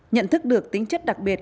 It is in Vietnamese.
nhận thức được tính chất đặc biệt